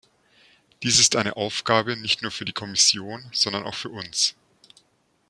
Dies ist eine Aufgabe nicht nur für die Kommission, sondern auch für uns.